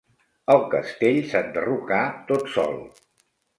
El castell s'enderrocà tot sol.